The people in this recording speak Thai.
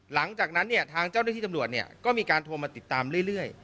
หลังจากนั้นเนี่ยทางเจ้าหน้าที่ตำรวจเนี่ยก็มีการโทรมาติดตามเรื่อย